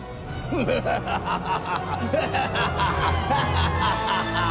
ハハハハハハ。